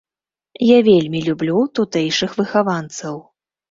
Я вельмі люблю тутэйшых выхаванцаў.